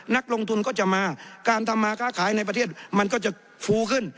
นักลงทุนก็จะมาการทำมาค้าขายในประเทศมันก็จะฟูขึ้น